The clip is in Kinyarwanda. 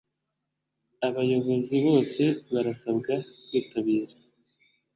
abayobozi bose barasabwa kwitabira.